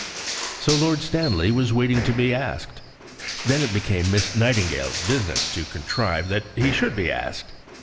So Lord Stanley was waiting to be asked. Then it became Miss Nightingale's business to contrive that he should be asked.